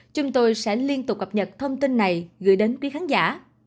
chúng tôi sẽ liên tục cập nhật thông tin này gửi đến quý khán giả